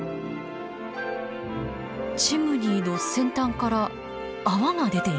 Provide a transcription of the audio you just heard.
チムニーの先端から泡が出ています。